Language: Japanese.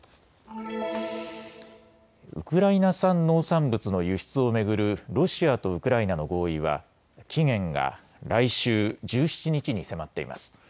ウクライナ産農産物の輸出を巡るロシアとウクライナの合意は期限が来週１７日に迫っています。